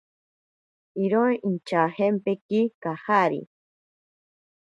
Iro inchajempeki kajari.